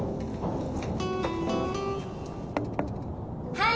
はい。